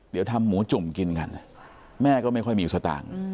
เดี๋ยวทำหมูจุ่มกินกันแม่ก็ไม่ค่อยมีสตางค์